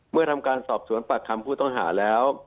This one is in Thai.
เมื่อทำการสอบสวนปากคำผู้ต้องหาแล้ว